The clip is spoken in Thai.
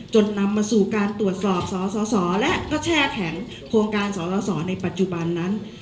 จนนำมาสู่การตรวจสอบส่อส่อส่อและแช่แข็งโครงการส่อส่อส่อในปัจจุบันนั้น